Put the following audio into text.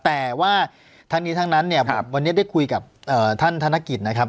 แต่ว่าทั้งนี้ทั้งนั้นเนี่ยวันนี้ได้คุยกับท่านธนกิจนะครับ